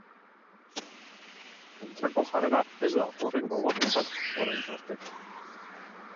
Kontrako jarrera ez da horren gogorra izan, orain arte.